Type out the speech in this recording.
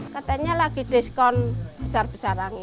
katanya lagi diskon besar besaran